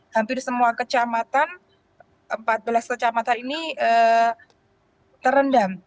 hampir semua kecamatan empat belas kecamatan ini terendam